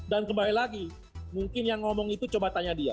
dan kembali lagi mungkin yang ngomong itu coba tanya dia